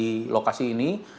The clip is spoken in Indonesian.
di lokasi ini